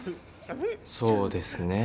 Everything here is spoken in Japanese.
そうですねぇ。